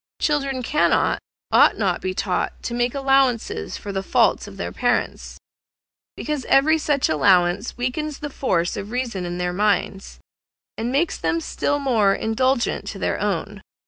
Children cannot, ought not to be taught to make allowance for the faults of their parents, because every such allowance weakens the force of reason in their minds, and makes them still more indulgent to their own.